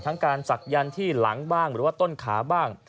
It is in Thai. ทั้งการศักยันต์ที่หลังบ้างหรือว่าต้นขาบ้าง